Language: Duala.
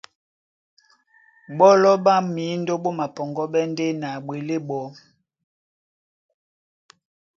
Ɓɔ́lɔ ɓá mǐndó ɓó mapɔŋgɔ́ɓɛ́ ndé na ɓwelé ɓɔɔ́.